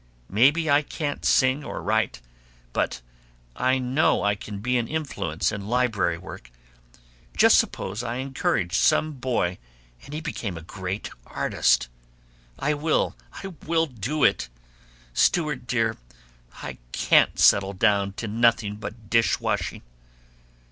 Maybe I can't sing or write, but I know I can be an influence in library work. Just suppose I encouraged some boy and he became a great artist! I will! I will do it! Stewart dear, I can't settle down to nothing but dish washing!"